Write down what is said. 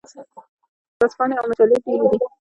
ورځپاڼې او مجلې ډیرې دي.